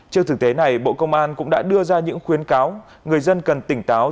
trước thực tế này bộ công an cũng đã đưa ra những khuyến cáo người dân cần tỉnh táo